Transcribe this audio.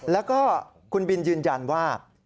แล้วก็คุณบินยืนยันว่า